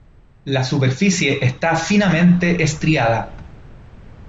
La superficie esta finamente estriada.